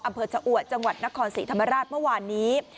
อำเภอชะอวดจังหวัดนครศรีธรรมราชเมื่อวานนี้